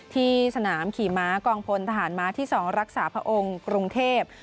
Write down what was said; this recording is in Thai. ที่สนามขี่ม้ากองพลทหารม้าที่๒รักษาพระองค์กรุงเทพ